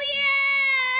ra ra ra ra